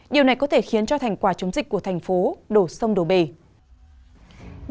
điều này có thể khiến cho thành quả chống dịch của thành phố đổ sông đổ bể